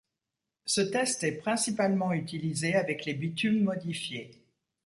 Ce test est principalement utilisé avec les bitumes modifiés.